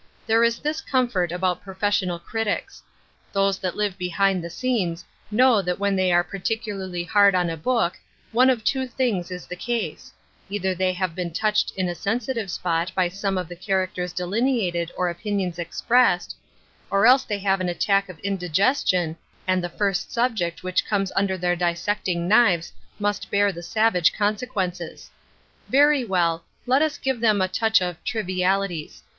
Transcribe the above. There is this comfort about professional critics — those that live behind the scenes know that when they are particularly hard on a book, one of two things is the case — either they have been touched in a sensitive spot by some of the characters delineated or opinions expressed, or else they have an attack of indigestion, and the first subject that comes under their dissecting* 106 Ruth Erskines Crosses. knives must bear the savage consequences. Very well, let us give them a touch of " trivialities."